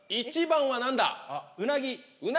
１番は何だ？